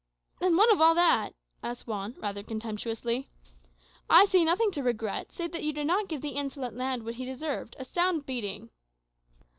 "And what of all that?" asked Juan rather contemptuously. "I see nothing to regret, save that you did not give the insolent lad what he deserved, a sound beating."